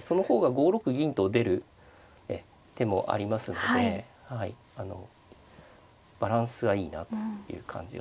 その方が５六銀と出る手もありますのでバランスがいいなという感じがします。